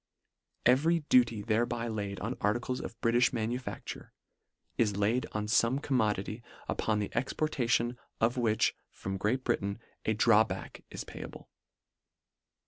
Every duty thereby laid on articles of Britifli manufacture, is laid on fome com modity upon the exportation of which from Great Britain, a drawback is payable.